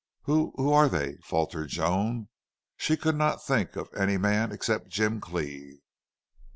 "Who who are they?" faltered Joan. She could not think of any man except Jim Cleve.